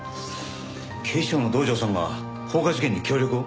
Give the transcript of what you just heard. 警視庁の道上さんが放火事件に協力を？